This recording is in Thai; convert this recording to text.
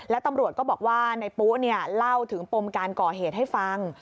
แล้วตำรวจก็บอกว่าในปุ๊เล่าถึงปมการก่อเหตุให้ฟัง